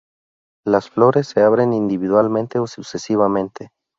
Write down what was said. Las flores se abren individualmente ó sucesivamente.